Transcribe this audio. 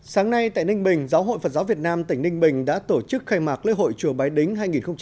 sáng nay tại ninh bình giáo hội phật giáo việt nam tỉnh ninh bình đã tổ chức khai mạc lễ hội chùa bái đính hai nghìn một mươi chín